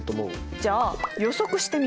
じゃあ予測してみよう！